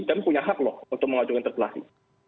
kami punya hak loh untuk mengajukan interpelasi